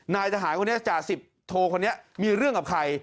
นายทหารคนนี้จ่าสิบโทคนนี้มีเรื่องกับใคร